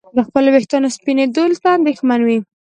د خپلو ویښتانو سپینېدو ته اندېښمن وي.